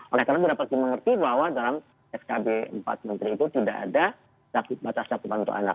oleh karena itu dapat dimengerti bahwa dalam skb empat menteri itu tidak ada batas cakupan untuk anak